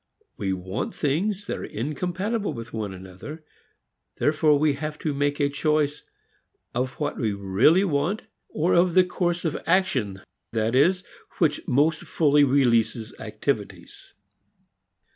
We want things that are incompatible with one another; therefore we have to make a choice of what we really want, of the course of action, that is, which most fully releases activities.